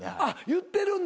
言ってるんだ。